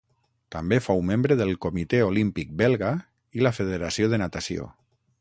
També fou membre del Comitè Olímpic belga i la federació de natació.